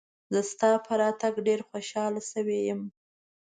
زه ستا په راتګ ډېر خوشاله شوی یم.